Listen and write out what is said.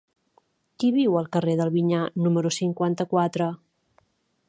Qui viu al carrer del Vinyar número cinquanta-quatre?